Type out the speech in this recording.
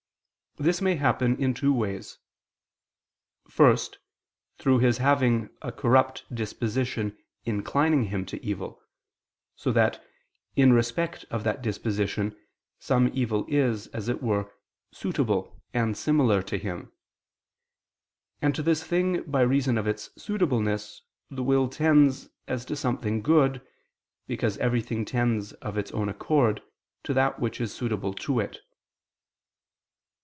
This may happen in two ways. First, through his having a corrupt disposition inclining him to evil, so that, in respect of that disposition, some evil is, as it were, suitable and similar to him; and to this thing, by reason of its suitableness, the will tends, as to something good, because everything tends, of its own accord, to that which is suitable to it.